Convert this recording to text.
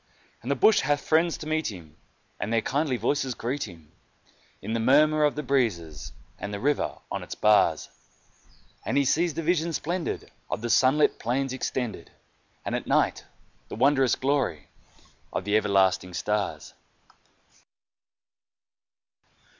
And the bush has friends to meet him, and their kindly voices greet him In the murmur of the breezes and the river on its bars, And he sees the vision splendid of the sunlit plain extended, And at night the wondrous glory of the everlasting stars.